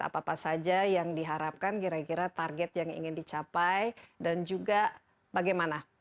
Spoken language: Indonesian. apa apa saja yang diharapkan kira kira target yang ingin dicapai dan juga bagaimana